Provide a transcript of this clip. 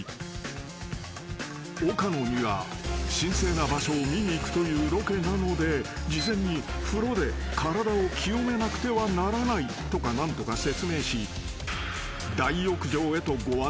［岡野には神聖な場所を見に行くというロケなので事前に風呂で体を清めなくてはならないとか何とか説明し大浴場へとご案内］